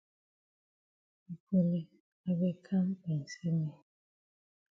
Nicoline I beg kam pensay me.